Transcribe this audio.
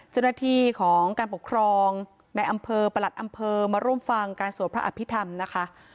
เจ้าหน้าที่ของการปกครองในอำเภอประหลัดอำเภอมาร่วมฟังการสวดพระอภิษฐรรมนะคะ